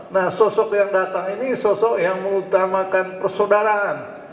nah sosok yang datang ini sosok yang mengutamakan persaudaraan